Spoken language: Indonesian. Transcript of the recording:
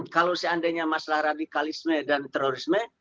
kalau seandainya masalah radikalisme dan terorisme